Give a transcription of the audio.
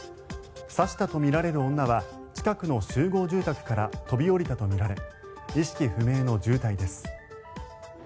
刺したとみられる女は近くの集合住宅から飛び降りたとみられ意識不明の重体です。